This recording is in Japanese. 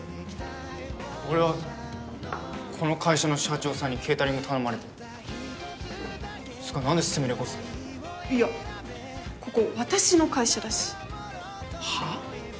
俺はこの会社の社長さんにケータリング頼まれてつうか何でスミレこそいやここ私の会社だしはっ？